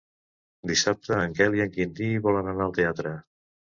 Dissabte en Quel i en Quintí volen anar al teatre.